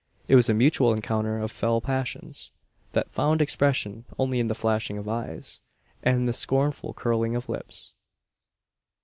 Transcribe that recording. It was a mutual encounter of fell passions; that found expression only in the flashing of eyes, and the scornful curling of lips.